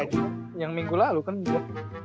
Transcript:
itu kan yang minggu lalu kan juga